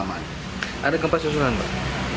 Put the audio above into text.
ada gempa susulan pak